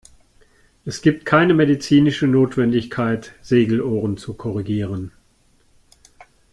Es gibt keine medizinische Notwendigkeit, Segelohren zu korrigieren.